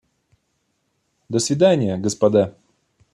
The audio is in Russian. До свидания, господа.